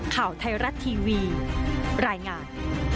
ข่าวไทยรัฐทีวีรายงาน